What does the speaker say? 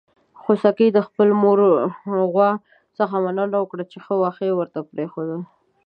خوسکي د خپلې مور غوا څخه مننه وکړه چې واښه يې ورته پرېښودل.